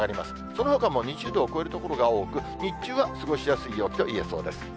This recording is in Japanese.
そのほかも２０度を超える所が多く、日中は過ごしやすい陽気と言えそうです。